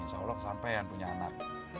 insya allah kesampean punya anak